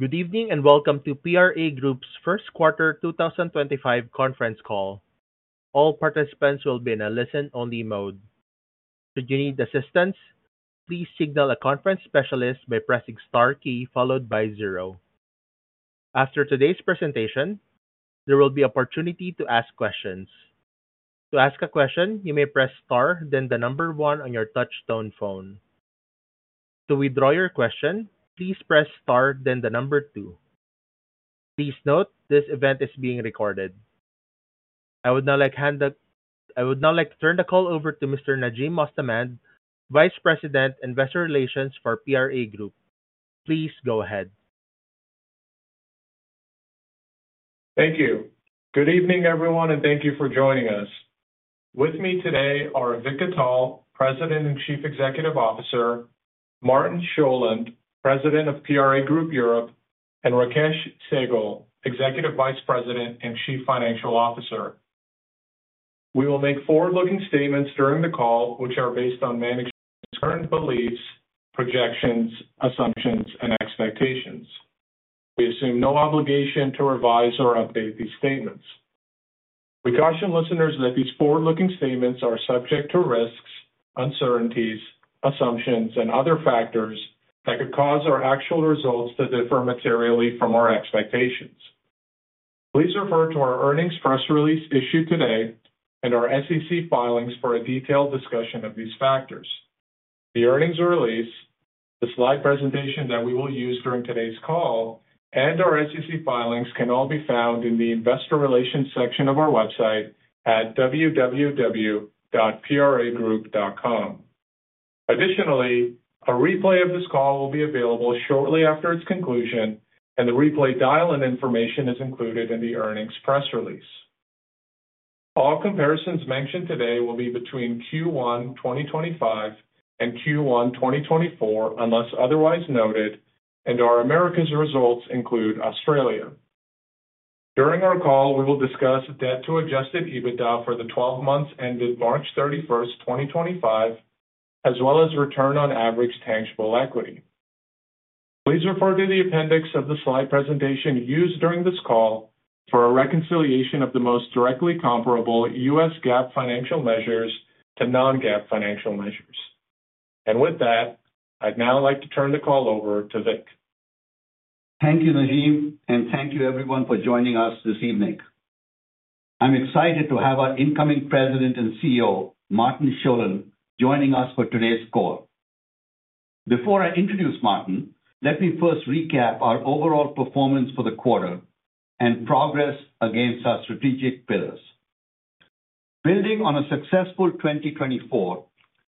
Good evening and welcome to PRA Group's Q1 2025 Conference Call. All participants will be in a listen-only mode. Should you need assistance, please signal a conference specialist by pressing the star key followed by zero. After today's presentation, there will be an opportunity to ask questions. To ask a question, you may press star, then the number one on your touch-tone phone. To withdraw your question, please press star, then the number two. Please note this event is being recorded. I would now like to turn the call over to Mr. Najim Mostamand, Vice President, Investor Relations for PRA Group. Please go ahead. Thank you. Good evening, everyone, and thank you for joining us. With me today are Vik Atal, President and Chief Executive Officer; Martin Sjölund, President of PRA Group Europe; and Rakesh Sehgal, Executive Vice President and Chief Financial Officer. We will make forward-looking statements during the call, which are based on management's current beliefs, projections, assumptions, and expectations. We assume no obligation to revise or update these statements. We caution listeners that these forward-looking statements are subject to risks, uncertainties, assumptions, and other factors that could cause our actual results to differ materially from our expectations. Please refer to our earnings press release issued today and our SEC filings for a detailed discussion of these factors. The earnings release, the slide presentation that we will use during today's call, and our SEC filings can all be found in the investor relations section of our website at www.pragroup.com. Additionally, a replay of this call will be available shortly after its conclusion, and the replay dial-in information is included in the earnings press release. All comparisons mentioned today will be between Q1 2025 and Q1 2024 unless otherwise noted, and our Americas results include Australia. During our call, we will discuss debt-to-adjusted EBITDA for the 12 months ended 31 March 2025, as well as return on average tangible equity. Please refer to the appendix of the slide presentation used during this call for a reconciliation of the most directly comparable US GAAP financial measures to non-GAAP financial measures. I would now like to turn the call over to Vik. Thank you, Najim, and thank you, everyone, for joining us this evening. I'm excited to have our incoming President and CEO, Martin Sjölund, joining us for today's call. Before I introduce Martin, let me first recap our overall performance for the quarter and progress against our strategic pillars. Building on a successful 2024,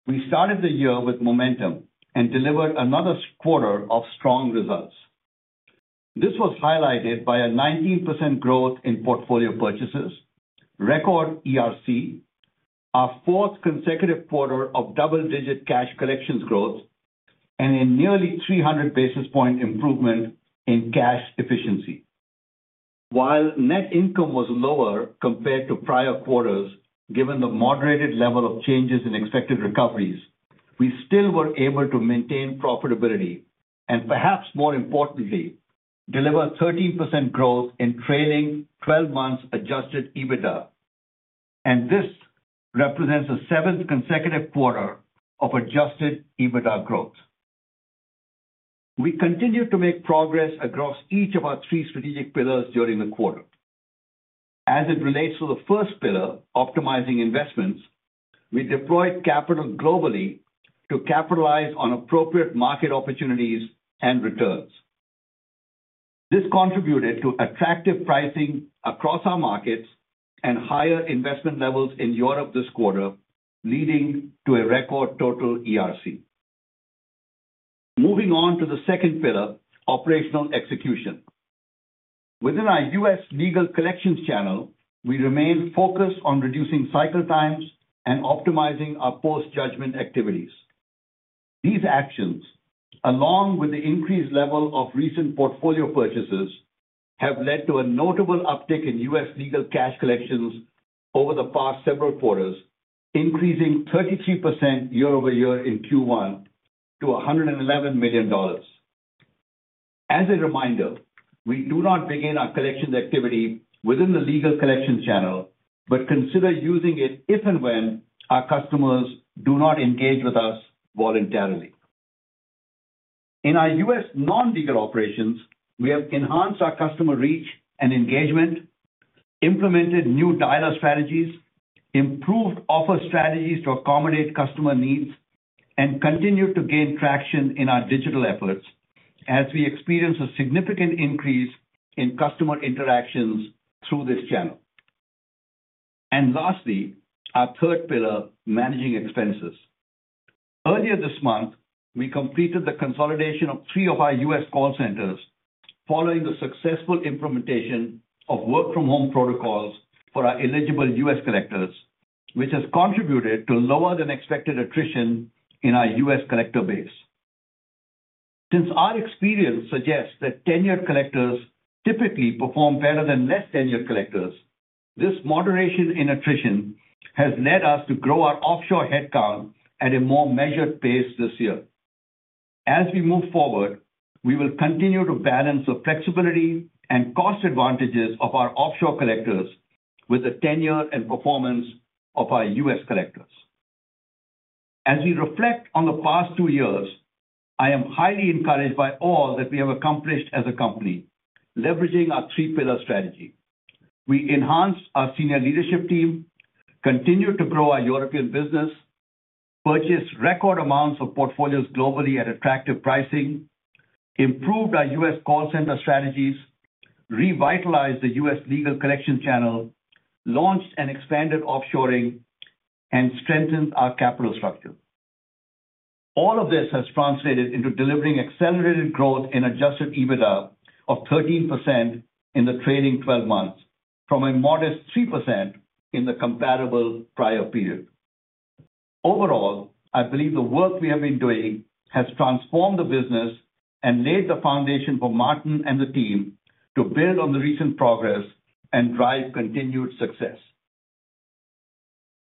we started the year with momentum and delivered another quarter of strong results. This was highlighted by a 19% growth in portfolio purchases, record ERC, our fourth consecutive quarter of double-digit cash collections growth, and a nearly 300 basis point improvement in cash efficiency. While net income was lower compared to prior quarters, given the moderated level of changes in expected recoveries, we still were able to maintain profitability and, perhaps more importantly, deliver 13% growth in trailing 12 months' adjusted EBITDA. This represents the seventh consecutive quarter of adjusted EBITDA growth. We continued to make progress across each of our three strategic pillars during the quarter. As it relates to the first pillar, optimizing investments, we deployed capital globally to capitalize on appropriate market opportunities and returns. This contributed to attractive pricing across our markets and higher investment levels in Europe this quarter, leading to a record total ERC. Moving on to the second pillar, operational execution. Within our US legal collections channel, we remain focused on reducing cycle times and optimizing our post-judgment activities. These actions, along with the increased level of recent portfolio purchases, have led to a notable uptick in US legal cash collections over the past several quarters, increasing 33% year-over-year in Q1 to $111 million. As a reminder, we do not begin our collections activity within the legal collections channel, but consider using it if and when our customers do not engage with us voluntarily. In our US non-legal operations, we have enhanced our customer reach and engagement, implemented new dialer strategies, improved offer strategies to accommodate customer needs, and continued to gain traction in our digital efforts as we experience a significant increase in customer interactions through this channel. Lastly, our third pillar, managing expenses. Earlier this month, we completed the consolidation of three of our US call centers following the successful implementation of work-from-home protocols for our eligible US collectors, which has contributed to lower-than-expected attrition in our US collector base. Since our experience suggests that tenured collectors typically perform better than less-tenured collectors, this moderation in attrition has led us to grow our offshore headcount at a more measured pace this year. As we move forward, we will continue to balance the flexibility and cost advantages of our offshore collectors with the tenure and performance of our US collectors. As we reflect on the past two years, I am highly encouraged by all that we have accomplished as a company leveraging our three-pillar strategy. We enhanced our senior leadership team, continued to grow our European business, purchased record amounts of portfolios globally at attractive pricing, improved our US call center strategies, revitalized the US legal collections channel, launched and expanded offshoring, and strengthened our capital structure. All of this has translated into delivering accelerated growth in adjusted EBITDA of 13% in the trailing 12 months, from a modest 3% in the comparable prior period. Overall, I believe the work we have been doing has transformed the business and laid the foundation for Martin and the team to build on the recent progress and drive continued success.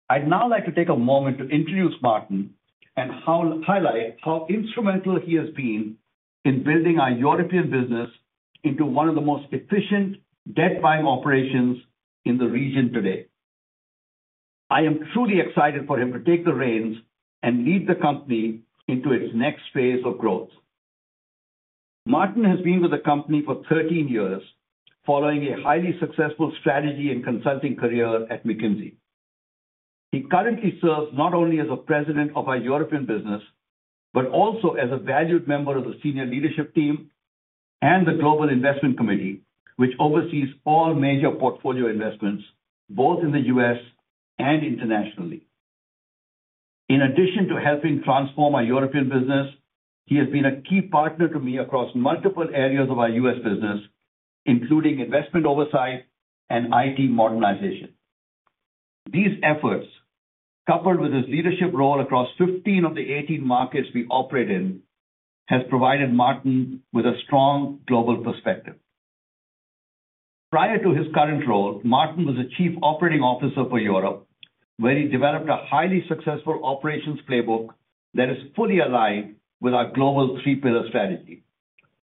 I'd now like to take a moment to introduce Martin and highlight how instrumental he has been in building our European business into one of the most efficient debt-buying operations in the region today. I am truly excited for him to take the reins and lead the company into its next phase of growth. Martin has been with the company for 13 years, following a highly successful strategy and consulting career at McKinsey. He currently serves not only as President of our European business, but also as a valued member of the senior leadership team and the Global Investment Committee, which oversees all major portfolio investments, both in the US and internationally. In addition to helping transform our European business, he has been a key partner to me across multiple areas of our US business, including investment oversight and IT modernization. These efforts, coupled with his leadership role across 15 of the 18 markets we operate in, have provided Martin with a strong global perspective. Prior to his current role, Martin was a Chief Operating Officer for Europe, where he developed a highly successful operations playbook that is fully aligned with our global three-pillar strategy.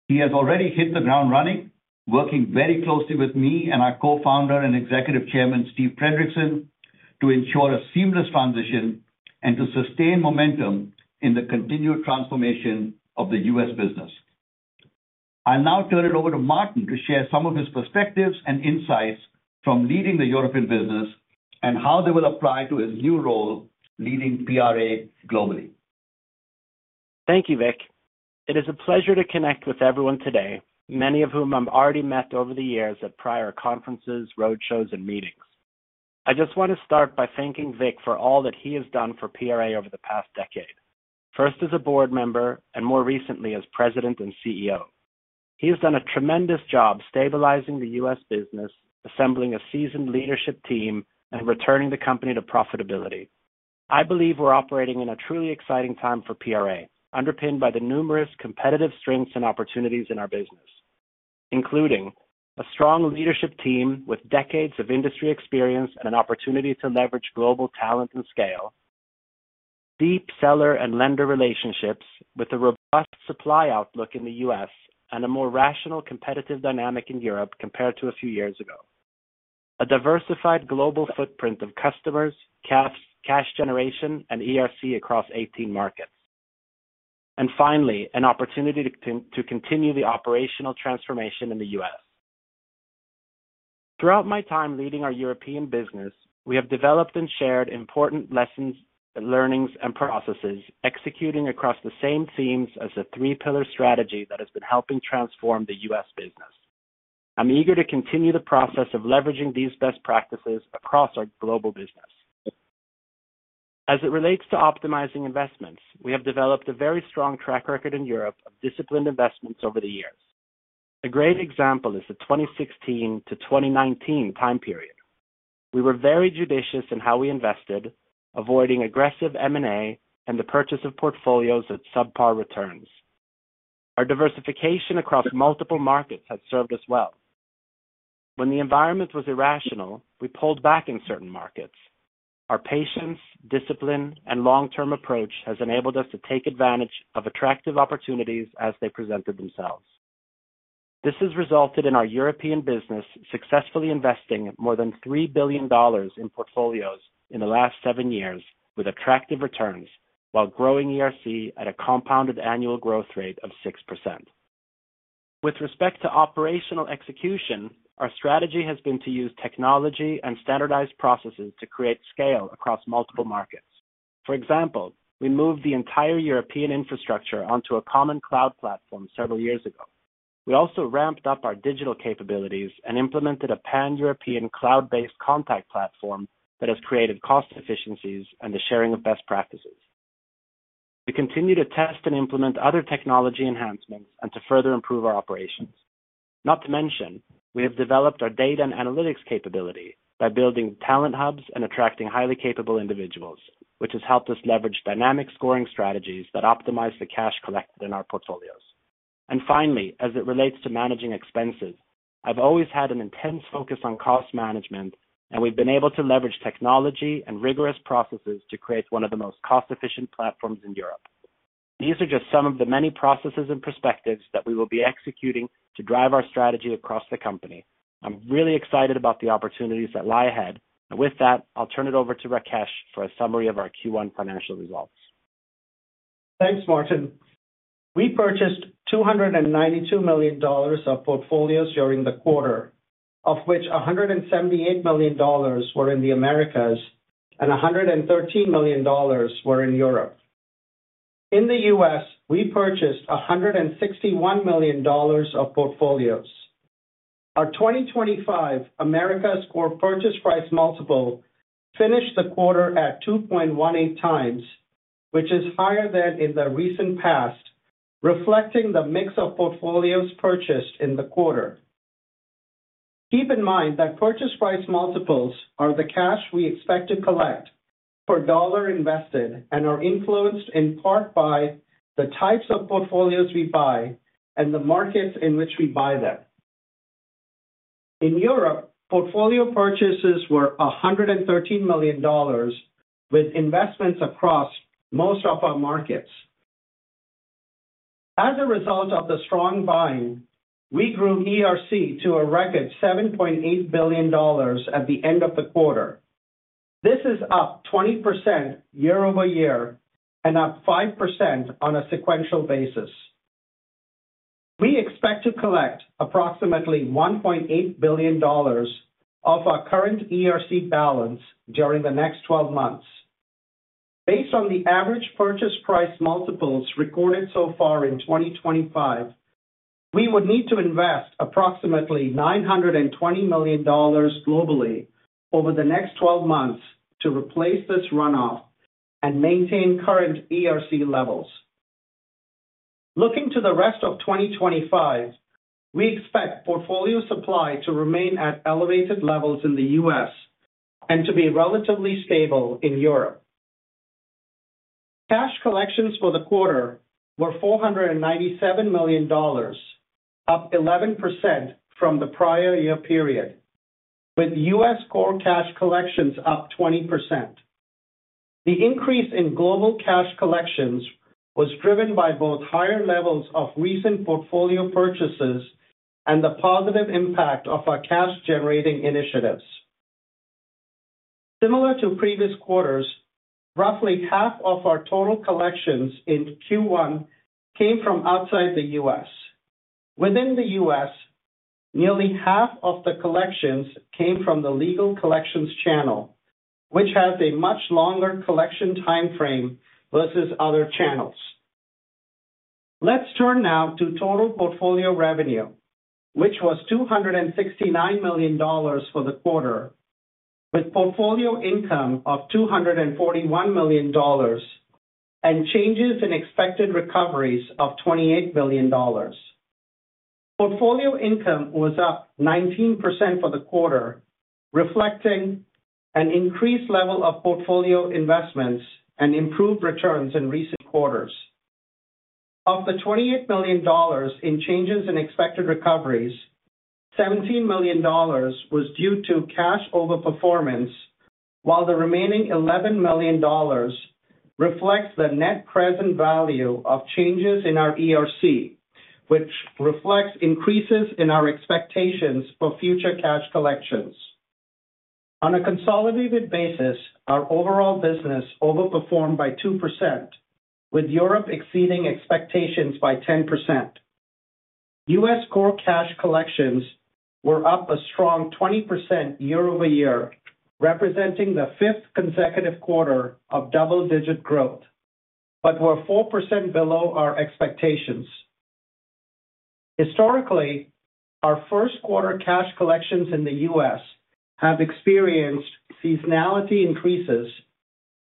He has already hit the ground running, working very closely with me and our Co-founder and Executive Chairman, Steve Fredrickson, to ensure a seamless transition and to sustain momentum in the continued transformation of the US business. I'll now turn it over to Martin to share some of his perspectives and insights from leading the European business and how they will apply to his new role leading PRA globally. Thank you, Vik. It is a pleasure to connect with everyone today, many of whom I've already met over the years at prior conferences, road shows, and meetings. I just want to start by thanking Vik for all that he has done for PRA over the past decade, first as a board member and, more recently, as President and CEO. He has done a tremendous job stabilizing the US business, assembling a seasoned leadership team, and returning the company to profitability. I believe we're operating in a truly exciting time for PRA, underpinned by the numerous competitive strengths and opportunities in our business, including a strong leadership team with decades of industry experience and an opportunity to leverage global talent and scale, deep seller and lender relationships with a robust supply outlook in the US and a more rational competitive dynamic in Europe compared to a few years ago, a diversified global footprint of customers, cash generation, and ERC across 18 markets, and finally, an opportunity to continue the operational transformation in the US Throughout my time leading our European business, we have developed and shared important lessons, learnings, and processes, executing across the same themes as the three-pillar strategy that has been helping transform the US business. I'm eager to continue the process of leveraging these best practices across our global business. As it relates to optimizing investments, we have developed a very strong track record in Europe of disciplined investments over the years. A great example is the 2016 to 2019 time period. We were very judicious in how we invested, avoiding aggressive M&A and the purchase of portfolios at subpar returns. Our diversification across multiple markets has served us well. When the environment was irrational, we pulled back in certain markets. Our patience, discipline, and long-term approach have enabled us to take advantage of attractive opportunities as they presented themselves. This has resulted in our European business successfully investing more than $3 billion in portfolios in the last seven years with attractive returns while growing ERC at a compounded annual growth rate of 6%. With respect to operational execution, our strategy has been to use technology and standardized processes to create scale across multiple markets. For example, we moved the entire European infrastructure onto a common cloud platform several years ago. We also ramped up our digital capabilities and implemented a pan-European cloud-based contact platform that has created cost efficiencies and the sharing of best practices. We continue to test and implement other technology enhancements and to further improve our operations. Not to mention, we have developed our data and analytics capability by building talent hubs and attracting highly capable individuals, which has helped us leverage dynamic scoring strategies that optimize the cash collected in our portfolios. Finally, as it relates to managing expenses, I've always had an intense focus on cost management, and we've been able to leverage technology and rigorous processes to create one of the most cost-efficient platforms in Europe. These are just some of the many processes and perspectives that we will be executing to drive our strategy across the company. I'm really excited about the opportunities that lie ahead. With that, I'll turn it over to Rakesh for a summary of our Q1 financial results. Thanks, Martin. We purchased $292 million of portfolios during the quarter, of which $178 million were in the Americas and $113 million were in Europe. In the US, we purchased $161 million of portfolios. Our 2025 Americas Core Purchase Price Multiple finished the quarter at 2.18 times, which is higher than in the recent past, reflecting the mix of portfolios purchased in the quarter. Keep in mind that purchase price multiples are the cash we expect to collect per dollar invested and are influenced in part by the types of portfolios we buy and the markets in which we buy them. In Europe, portfolio purchases were $113 million, with investments across most of our markets. As a result of the strong buying, we grew ERC to a record $7.8 billion at the end of the quarter. This is up 20% year-over-year and up 5% on a sequential basis. We expect to collect approximately $1.8 billion of our current ERC balance during the next 12 months. Based on the average purchase price multiples recorded so far in 2025, we would need to invest approximately $920 million globally over the next 12 months to replace this runoff and maintain current ERC levels. Looking to the rest of 2025, we expect portfolio supply to remain at elevated levels in the US and to be relatively stable in Europe. Cash collections for the quarter were $497 million, up 11% from the prior year period, with US Core Cash collections up 20%. The increase in global cash collections was driven by both higher levels of recent portfolio purchases and the positive impact of our cash-generating initiatives. Similar to previous quarters, roughly half of our total collections in Q1 came from outside the US. Within the US, nearly half of the collections came from the legal collections channel, which has a much longer collection timeframe versus other channels. Let's turn now to total portfolio revenue, which was $269 million for the quarter, with portfolio income of $241 million and changes in expected recoveries of $28 million. Portfolio income was up 19% for the quarter, reflecting an increased level of portfolio investments and improved returns in recent quarters. Of the $28 million in changes in expected recoveries, $17 million was due to cash overperformance, while the remaining $11 million reflects the net present value of changes in our ERC, which reflects increases in our expectations for future cash collections. On a consolidated basis, our overall business overperformed by 2%, with Europe exceeding expectations by 10%. US Core cash collections were up a strong 20% year-over-year, representing the fifth consecutive quarter of double-digit growth, but were 4% below our expectations. Historically, our Q1 cash collections in the US have experienced seasonality increases,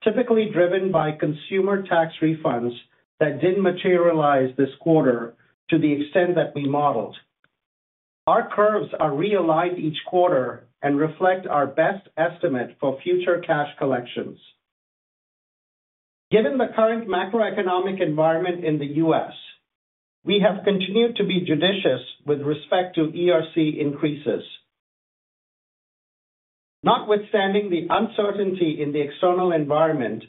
typically driven by consumer tax refunds that did not materialize this quarter to the extent that we modeled. Our curves are realigned each quarter and reflect our best estimate for future cash collections. Given the current macroeconomic environment in the US, we have continued to be judicious with respect to ERC increases. Notwithstanding the uncertainty in the external environment,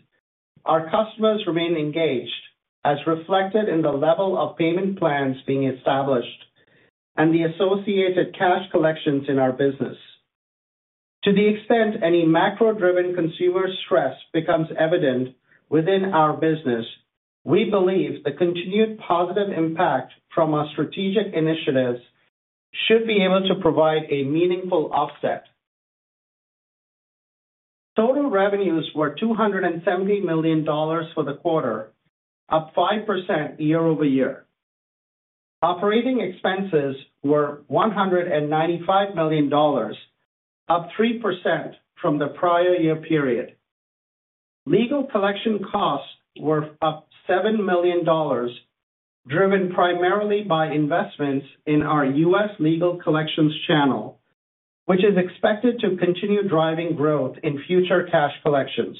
our customers remain engaged, as reflected in the level of payment plans being established and the associated cash collections in our business. To the extent any macro-driven consumer stress becomes evident within our business, we believe the continued positive impact from our strategic initiatives should be able to provide a meaningful offset. Total revenues were $270 million for the quarter, up 5% year-over-year. Operating expenses were $195 million, up 3% from the prior year period. Legal collection costs were up $7 million, driven primarily by investments in our US legal collections channel, which is expected to continue driving growth in future cash collections.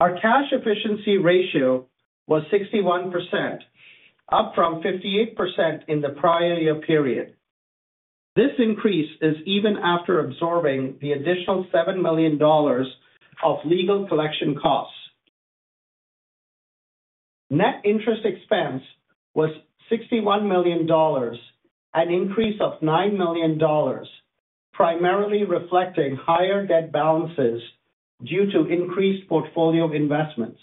Our cash efficiency ratio was 61%, up from 58% in the prior year period. This increase is even after absorbing the additional $7 million of legal collection costs. Net interest expense was $61 million, an increase of $9 million, primarily reflecting higher debt balances due to increased portfolio investments.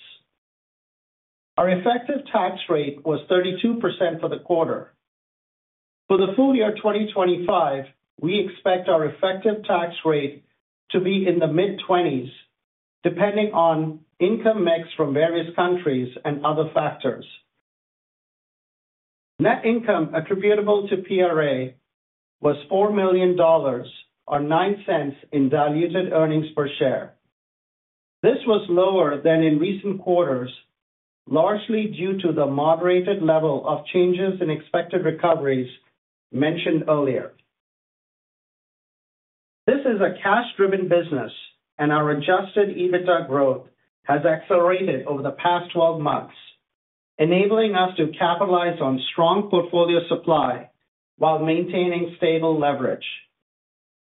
Our effective tax rate was 32% for the quarter. For the full year 2025, we expect our effective tax rate to be in the mid-20s, depending on income mix from various countries and other factors. Net income attributable to PRA was $4 million, or $0.09 in diluted earnings per share. This was lower than in recent quarters, largely due to the moderated level of changes in expected recoveries mentioned earlier. This is a cash-driven business, and our adjusted EBITDA growth has accelerated over the past 12 months, enabling us to capitalize on strong portfolio supply while maintaining stable leverage.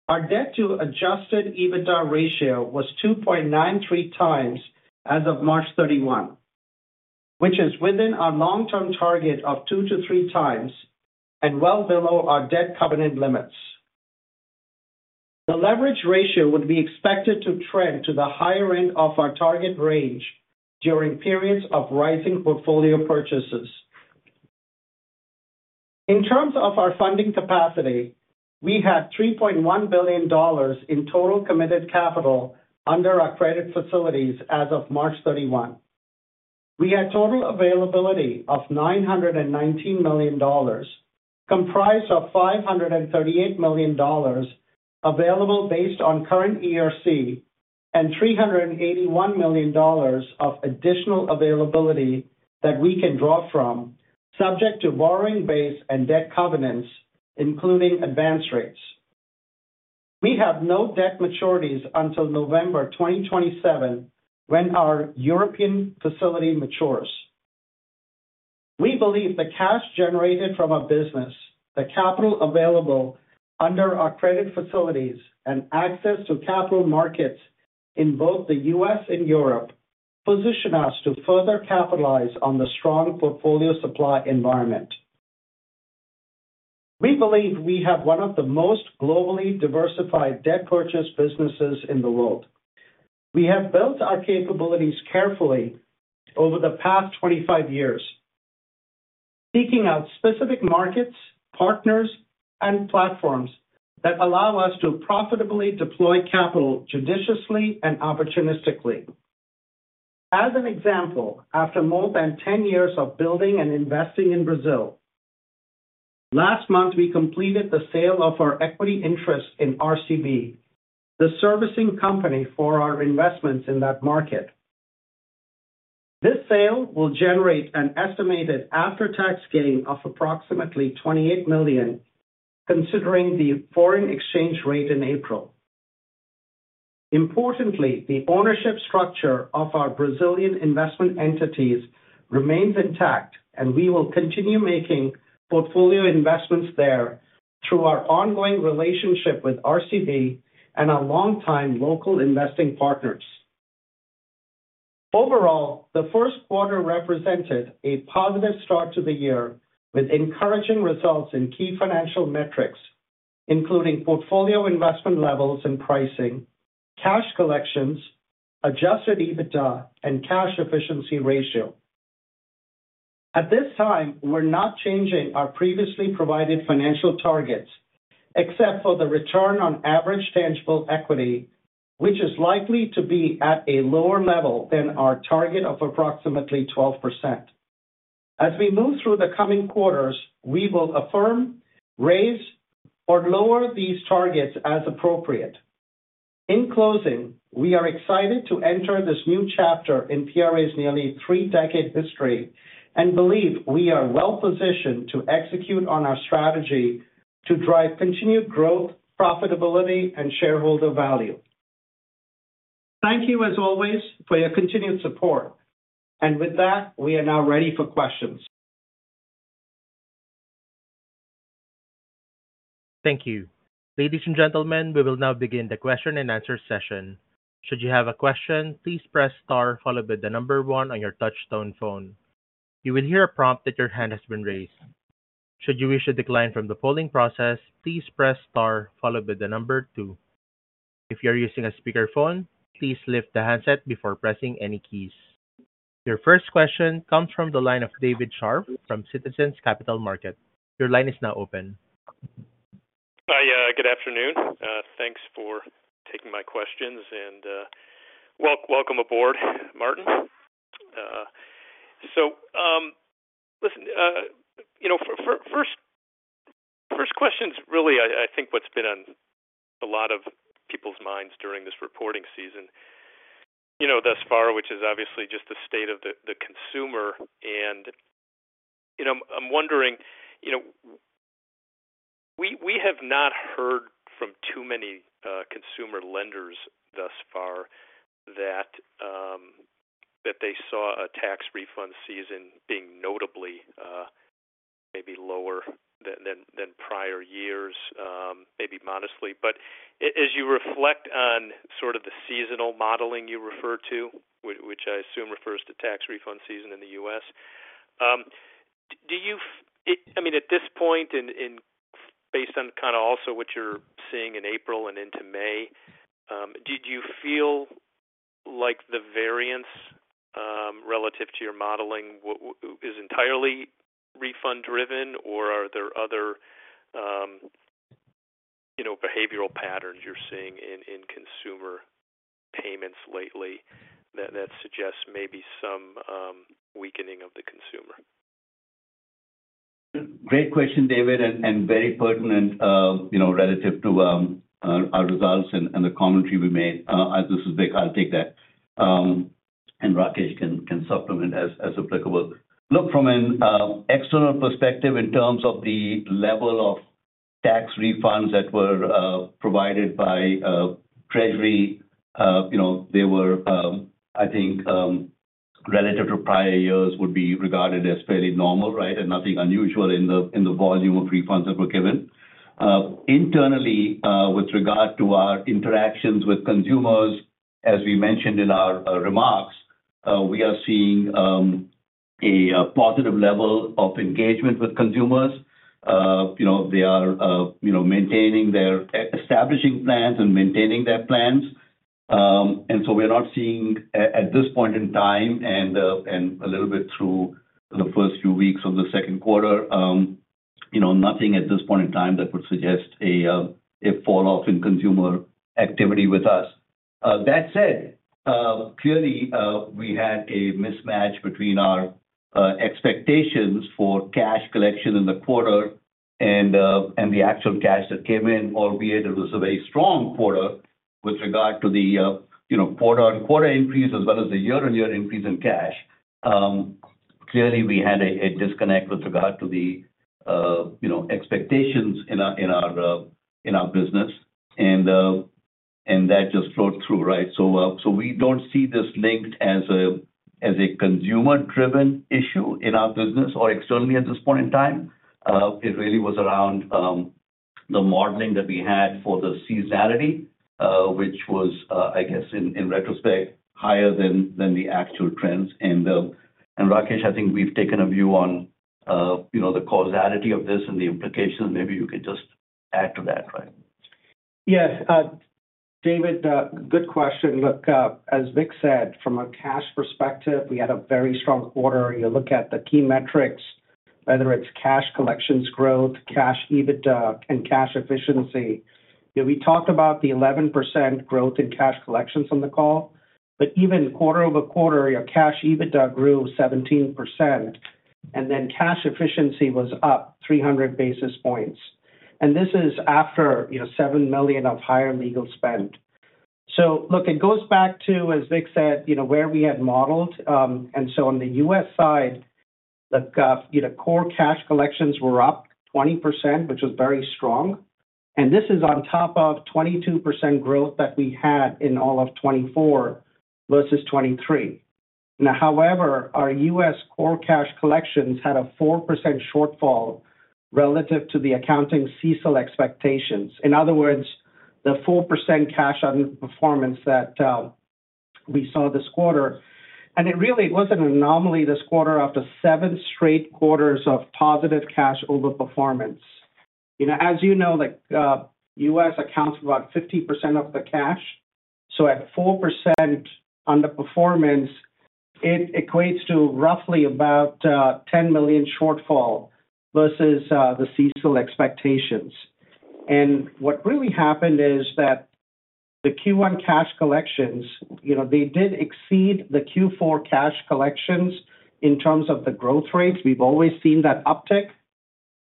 Our debt-to-adjusted EBITDA ratio was 2.93 times as of 31 March, which is within our long-term target of two to three times and well below our debt covenant limits. The leverage ratio would be expected to trend to the higher end of our target range during periods of rising portfolio purchases. In terms of our funding capacity, we had $3.1 billion in total committed capital under our credit facilities as of 31 March. We had total availability of $919 million, comprised of $538 million available based on current ERC, and $381 million of additional availability that we can draw from, subject to borrowing base and debt covenants, including advance rates. We have no debt maturities until November 2027 when our European facility matures. We believe the cash generated from our business, the capital available under our credit facilities, and access to capital markets in both the US and Europe position us to further capitalize on the strong portfolio supply environment. We believe we have one of the most globally diversified debt purchase businesses in the world. We have built our capabilities carefully over the past 25 years, seeking out specific markets, partners, and platforms that allow us to profitably deploy capital judiciously and opportunistically. As an example, after more than 10 years of building and investing in Brazil, last month we completed the sale of our equity interest in RCB, the servicing company for our investments in that market. This sale will generate an estimated after-tax gain of approximately $28 million, considering the foreign exchange rate in April. Importantly, the ownership structure of our Brazilian investment entities remains intact, and we will continue making portfolio investments there through our ongoing relationship with RCB and our long-time local investing partners. Overall, the Q1 represented a positive start to the year with encouraging results in key financial metrics, including portfolio investment levels and pricing, cash collections, adjusted EBITDA, and cash efficiency ratio. At this time, we're not changing our previously provided financial targets, except for the return on average tangible equity, which is likely to be at a lower level than our target of approximately 12%. As we move through the coming quarters, we will affirm, raise, or lower these targets as appropriate. In closing, we are excited to enter this new chapter in PRA's nearly three-decade history and believe we are well-positioned to execute on our strategy to drive continued growth, profitability, and shareholder value. Thank you, as always, for your continued support. We are now ready for questions. Thank you. Ladies and gentlemen, we will now begin the question-and-answer session. Should you have a question, please press star followed by the number one on your touch-tone phone. You will hear a prompt that your hand has been raised. Should you wish to decline from the polling process, please press star followed by the number two. If you are using a speakerphone, please lift the handset before pressing any keys. Your first question comes from the line of David Scharf from Citizens Capital Markets. Your line is now open. Hi, good afternoon. Thanks for taking my questions and welcome aboard, Martin. First question is really, I think, what's been on a lot of people's minds during this reporting season thus far, which is obviously just the state of the consumer. I'm wondering, we have not heard from too many consumer lenders thus far that they saw a tax refund season being notably maybe lower than prior years, maybe modestly. As you reflect on sort of the seasonal modeling you refer to, which I assume refers to tax refund season in the US, I mean, at this point, based on kind of also what you're seeing in April and into May, do you feel like the variance relative to your modeling is entirely refund-driven, or are there other behavioral patterns you're seeing in consumer payments lately that suggest maybe some weakening of the consumer? Great question, David, and very pertinent relative to our results and the commentary we made. This is Vik. I'll take that. Rakesh can supplement as applicable. Look, from an external perspective, in terms of the level of tax refunds that were provided by Treasury, they were, I think, relative to prior years, would be regarded as fairly normal, right, and nothing unusual in the volume of refunds that were given. Internally, with regard to our interactions with consumers, as we mentioned in our remarks, we are seeing a positive level of engagement with consumers. They are maintaining their establishing plans and maintaining their plans. We are not seeing, at this point in time and a little bit through the first few weeks of the Q2, nothing at this point in time that would suggest a falloff in consumer activity with us. That said, clearly, we had a mismatch between our expectations for cash collection in the quarter and the actual cash that came in, albeit it was a very strong quarter with regard to the quarter-on-quarter increase as well as the year-on-year increase in cash. Clearly, we had a disconnect with regard to the expectations in our business, and that just flowed through, right? We do not see this linked as a consumer-driven issue in our business or externally at this point in time. It really was around the modeling that we had for the seasonality, which was, I guess, in retrospect, higher than the actual trends. Rakesh, I think we have taken a view on the causality of this and the implications. Maybe you could just add to that, right? Yes. David, good question. Look, as Vik said, from a cash perspective, we had a very strong quarter. You look at the key metrics, whether it's cash collections growth, cash EBITDA, and cash efficiency. We talked about the 11% growth in cash collections on the call, but even quarter-over-quarter, your cash EBITDA grew 17%, and then cash efficiency was up 300 basis points. This is after $7 million of higher legal spend. Look, it goes back to, as Vik said, where we had modeled. On the US side, the core cash collections were up 20%, which was very strong. This is on top of 22% growth that we had in all of 2024 versus 2023. However, our US core cash collections had a 4% shortfall relative to the accounting CECL expectations. In other words, the 4% cash underperformance that we saw this quarter. It was not an anomaly this quarter after seven straight quarters of positive cash overperformance. As you know, the US accounts for about 50% of the cash. At 4% underperformance, it equates to roughly about $10 million shortfall versus the CECL expectations. What really happened is that the Q1 cash collections did exceed the Q4 cash collections in terms of the growth rates. We have always seen that uptick,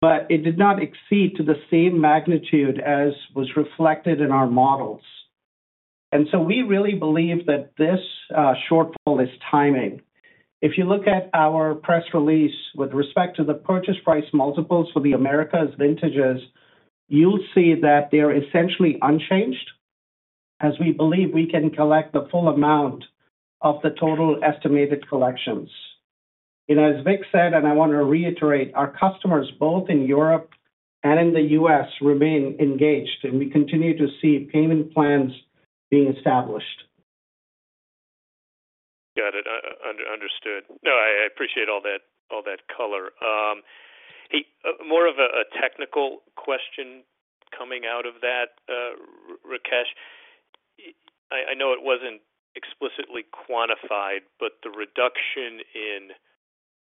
but it did not exceed to the same magnitude as was reflected in our models. We really believe that this shortfall is timing. If you look at our press release with respect to the purchase price multiples for the Americas vintages, you will see that they are essentially unchanged, as we believe we can collect the full amount of the total estimated collections. As Vik said, and I want to reiterate, our customers both in Europe and in the US remain engaged, and we continue to see payment plans being established. Got it. Understood. No, I appreciate all that color. More of a technical question coming out of that, Rakesh. I know it was not explicitly quantified, but the reduction in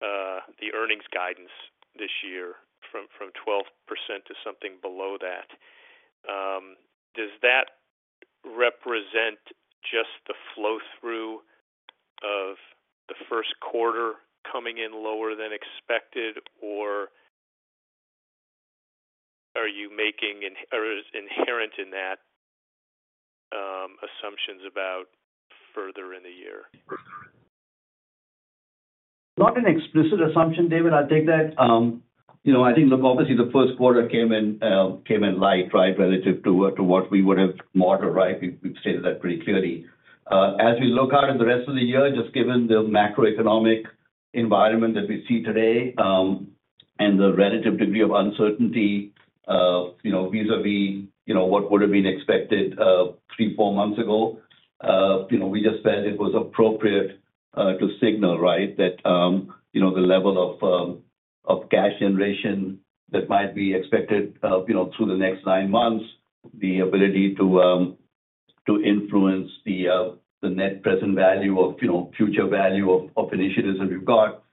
the earnings guidance this year from 12% to something below that, does that represent just the flow-through of the Q1 coming in lower than expected, or are you making inherent in that assumptions about further in the year? Not an explicit assumption, David. I'll take that. I think, look, obviously, the Q1 came in light, right, relative to what we would have modeled, right? We've stated that pretty clearly. As we look out at the rest of the year, just given the macroeconomic environment that we see today and the relative degree of uncertainty vis-à-vis what would have been expected three, four months ago, we just felt it was appropriate to signal, right, that the level of cash generation that might be expected through the next nine months, the ability to influence the net present value of future value of initiatives that we've got,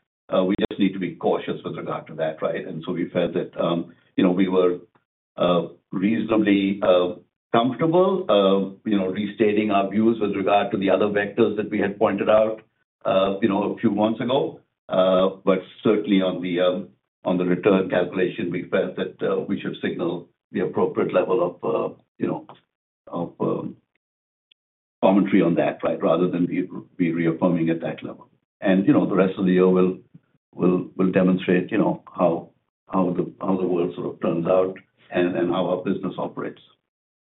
we just need to be cautious with regard to that, right? We felt that we were reasonably comfortable restating our views with regard to the other vectors that we had pointed out a few months ago. Certainly, on the return calculation, we felt that we should signal the appropriate level of commentary on that, right, rather than be reaffirming at that level. The rest of the year will demonstrate how the world sort of turns out and how our business operates.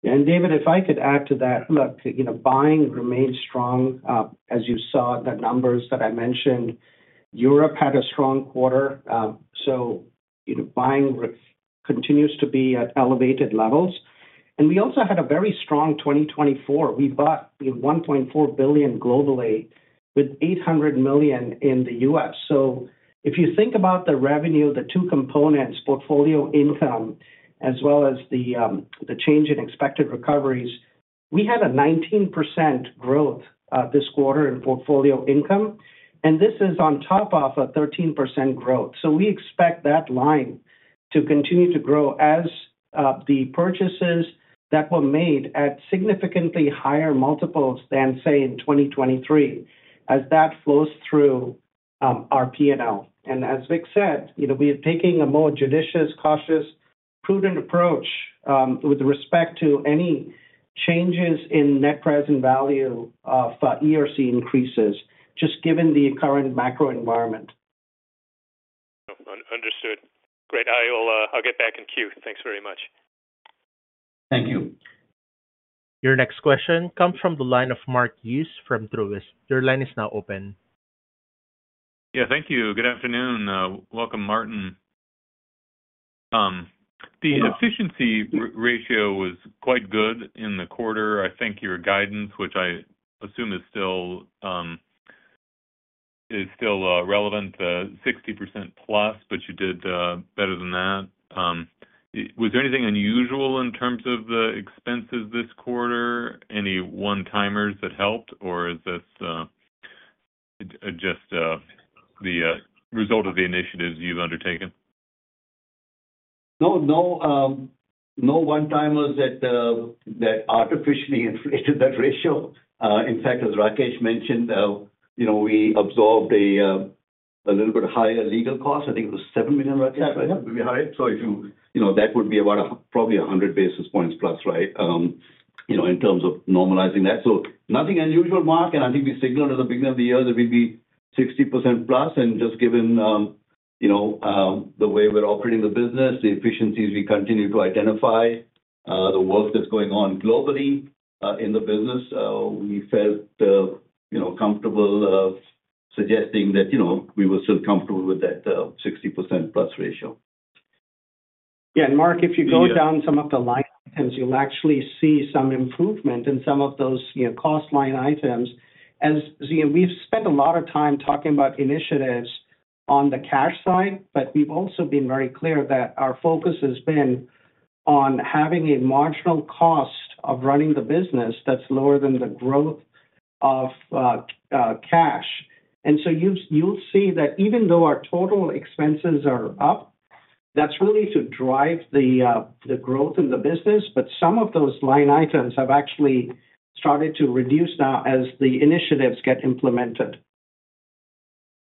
David, if I could add to that, look, buying remains strong. As you saw the numbers that I mentioned, Europe had a strong quarter. Buying continues to be at elevated levels. We also had a very strong 2024. We bought $1.4 billion globally with $800 million in the US If you think about the revenue, the two components, portfolio income as well as the change in expected recoveries, we had a 19% growth this quarter in portfolio income, and this is on top of a 13% growth. We expect that line to continue to grow as the purchases that were made at significantly higher multiples than, say, in 2023, as that flows through our P&L. As Vik said, we are taking a more judicious, cautious, prudent approach with respect to any changes in net present value of ERC increases, just given the current macro environment. Understood. Great. I'll get back in queue. Thanks very much. Thank you. Your next question comes from the line of Mark Hughes from [Truist]. Your line is now open. Yeah. Thank you. Good afternoon. Welcome, Martin. The efficiency ratio was quite good in the quarter. I think your guidance, which I assume is still relevant, 60% plus, but you did better than that. Was there anything unusual in terms of the expenses this quarter, any one-timers that helped, or is this just the result of the initiatives you've undertaken? No, no one-timers that artificially inflated that ratio. In fact, as Rakesh mentioned, we absorbed a little bit higher legal cost. I think it was $7 million, Rakesh, right? Yeah, maybe higher. That would be about probably 100 basis points plus, right, in terms of normalizing that. Nothing unusual, Mark. I think we signaled at the beginning of the year that we'd be 60% plus. Just given the way we're operating the business, the efficiencies we continue to identify, the work that's going on globally in the business, we felt comfortable suggesting that we were still comfortable with that 60% plus ratio. Yeah. Mark, if you go down some of the line items, you'll actually see some improvement in some of those cost line items. We've spent a lot of time talking about initiatives on the cash side, but we've also been very clear that our focus has been on having a marginal cost of running the business that's lower than the growth of cash. You'll see that even though our total expenses are up, that's really to drive the growth in the business. Some of those line items have actually started to reduce now as the initiatives get implemented.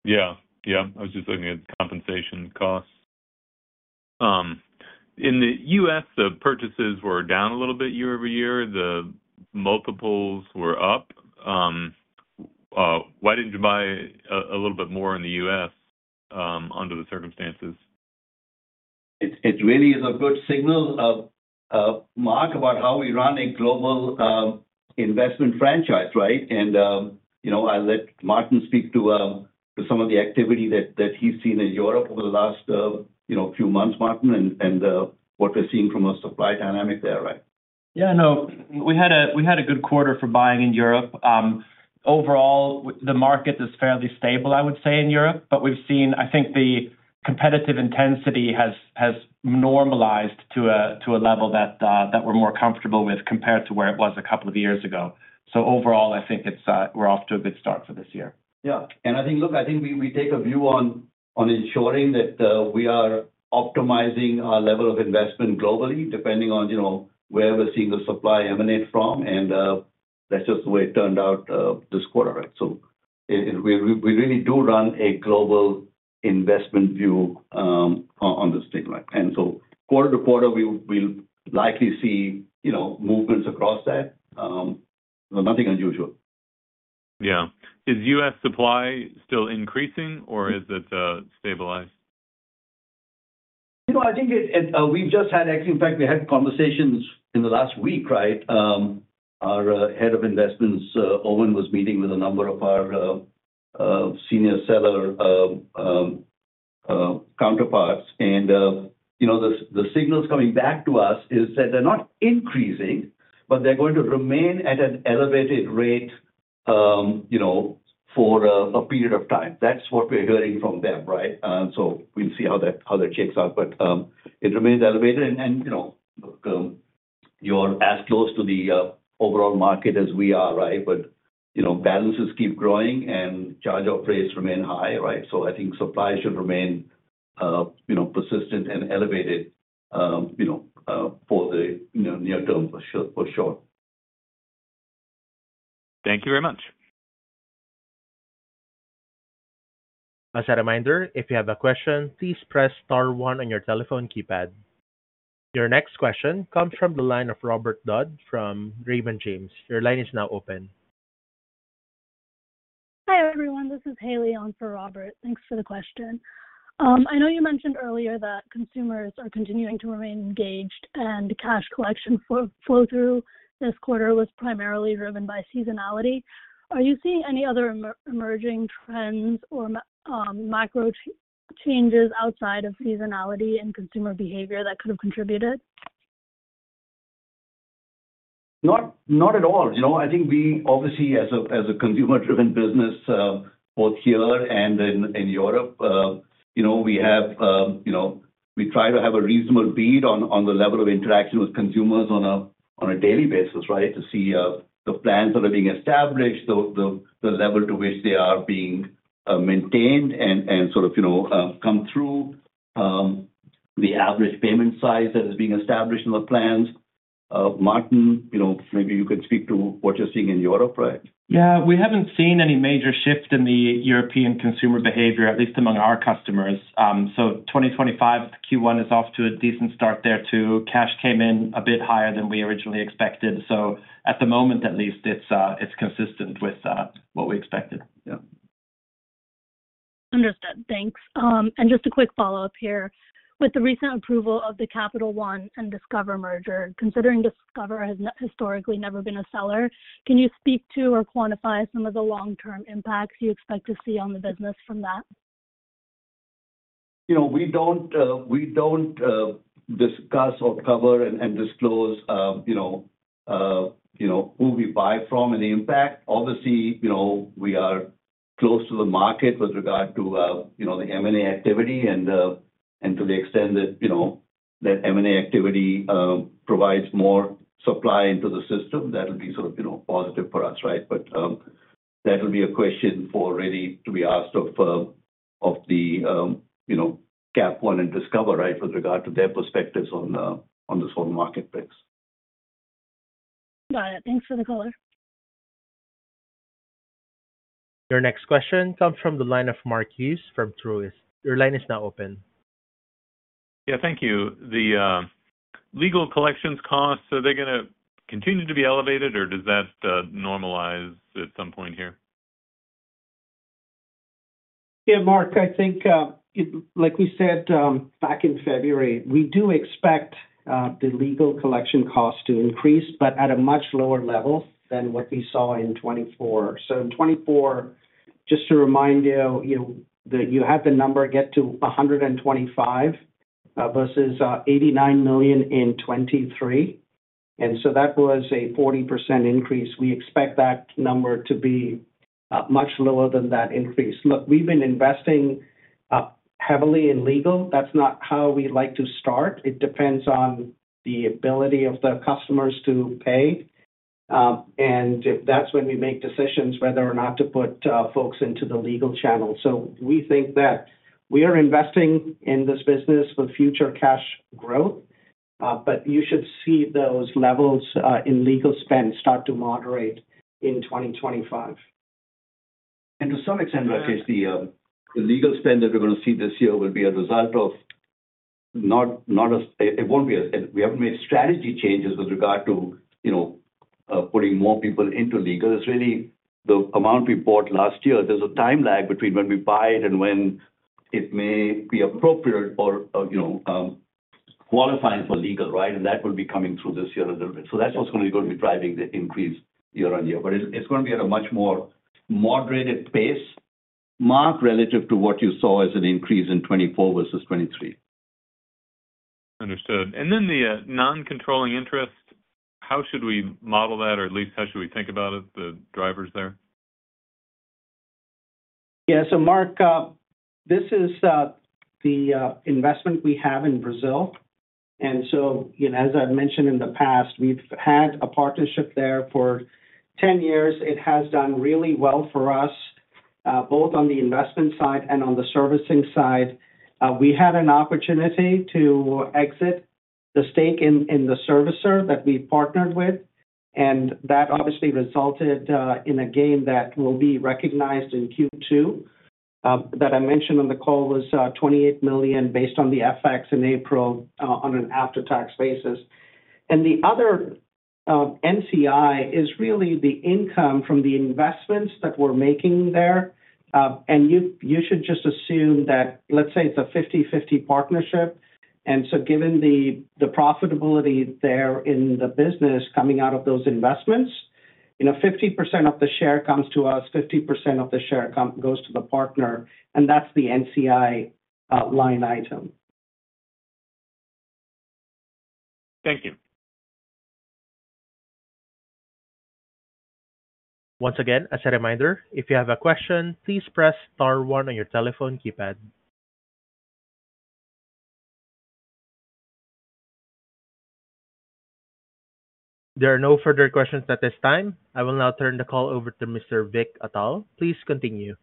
Yeah. Yeah. I was just looking at compensation costs. In the US, the purchases were down a little bit year over year. The multiples were up. Why did you not buy a little bit more in the US under the circumstances? It really is a good signal, Mark, about how we run a global investment franchise, right? I will let Martin speak to some of the activity that he's seen in Europe over the last few months, Martin, and what we're seeing from our supply dynamic there, right? Yeah. No, we had a good quarter for buying in Europe. Overall, the market is fairly stable, I would say, in Europe. I think the competitive intensity has normalized to a level that we're more comfortable with compared to where it was a couple of years ago. Overall, I think we're off to a good start for this year. Yeah. Look, I think we take a view on ensuring that we are optimizing our level of investment globally, depending on where we're seeing the supply emanate from. That is just the way it turned out this quarter, right? We really do run a global investment view on this thing, right? Quarter-to-quarter, we'll likely see movements across that. Nothing unusual. Yeah. Is US supply still increasing, or is it stabilized? I think we've just had, in fact, we had conversations in the last week, right? Our Head of Investments, Owen, was meeting with a number of our senior seller counterparts. The signals coming back to us is that they're not increasing, but they're going to remain at an elevated rate for a period of time. That's what we're hearing from them, right? We'll see how that shakes out. It remains elevated. Look, you're as close to the overall market as we are, right? Balances keep growing, and charge-off rates remain high, right? I think supply should remain persistent and elevated for the near term, for sure. Thank you very much. As a reminder, if you have a question, please press star one on your telephone keypad. Your next question comes from the line of Robert Dodd from Raymond James. Your line is now open. Hi everyone. This is Haley on for Robert. Thanks for the question. I know you mentioned earlier that consumers are continuing to remain engaged, and cash collection flow-through this quarter was primarily driven by seasonality. Are you seeing any other emerging trends or macro changes outside of seasonality in consumer behavior that could have contributed? Not at all. I think we, obviously, as a consumer-driven business, both here and in Europe, we try to have a reasonable bead on the level of interaction with consumers on a daily basis, right, to see the plans that are being established, the level to which they are being maintained, and sort of come through the average payment size that is being established in the plans. Martin, maybe you could speak to what you're seeing in Europe, right? Yeah. We haven't seen any major shift in the European consumer behavior, at least among our customers. 2025 Q1 is off to a decent start there too. Cash came in a bit higher than we originally expected. At the moment, at least, it's consistent with what we expected. Understood. Thanks. Just a quick follow-up here. With the recent approval of the Capital One and Discover merger, considering Discover has historically never been a seller, can you speak to or quantify some of the long-term impacts you expect to see on the business from that? We do not discuss or cover and disclose who we buy from and the impact. Obviously, we are close to the market with regard to the M&A activity and to the extent that M&A activity provides more supply into the system. That would be sort of positive for us, right? That will be a question for really to be asked of Capital One and Discover, right, with regard to their perspectives on this whole marketplace. Got it. Thanks for the color. Your next question comes from the line of Mark Hughes from [Truist]. Your line is now open. Yeah. Thank you. The legal collections costs, are they going to continue to be elevated, or does that normalize at some point here? Yeah, Mark, I think, like we said back in February, we do expect the legal collection costs to increase, but at a much lower level than what we saw in 2024. In 2024, just to remind you, you had the number get to $125 million versus $89 million in 2023. That was a 40% increase. We expect that number to be much lower than that increase. Look, we've been investing heavily in legal. That's not how we like to start. It depends on the ability of the customers to pay. That's when we make decisions whether or not to put folks into the legal channel. We think that we are investing in this business for future cash growth. You should see those levels in legal spend start to moderate in 2025. To some extent, Rakesh, the legal spend that we're going to see this year will be a result of not a—it won't be a—we haven't made strategy changes with regard to putting more people into legal. It's really the amount we bought last year. There's a time lag between when we buy it and when it may be appropriate or qualifying for legal, right? That will be coming through this year a little bit. That's what's going to be driving the increase year on year. It's going to be at a much more moderated pace, Mark, relative to what you saw as an increase in 2024 versus 2023. Understood. And then the non-controlling interest, how should we model that, or at least how should we think about it, the drivers there? Yeah. Mark, this is the investment we have in Brazil. As I've mentioned in the past, we've had a partnership there for 10 years. It has done really well for us, both on the investment side and on the servicing side. We had an opportunity to exit the stake in the servicer that we partnered with. That obviously resulted in a gain that will be recognized in Q2. That I mentioned on the call was $28 million based on the FX in April on an after-tax basis. The other NCI is really the income from the investments that we're making there. You should just assume that, let's say, it's a 50/50 partnership. Given the profitability there in the business coming out of those investments, 50% of the share comes to us, 50% of the share goes to the partner. That's the NCI line item. Thank you. Once again, as a reminder, if you have a question, please press star one on your telephone keypad. There are no further questions at this time. I will now turn the call over to Mr. Vik Atal. Please continue.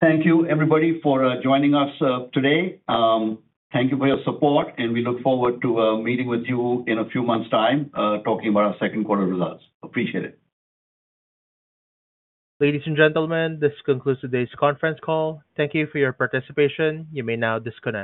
Thank you, everybody, for joining us today. Thank you for your support. We look forward to meeting with you in a few months' time talking about our Q2 results. Appreciate it. Ladies and gentlemen, this concludes today's conference call. Thank you for your participation. You may now disconnect.